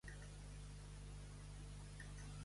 Per què són recordats Acacos i els seus germans?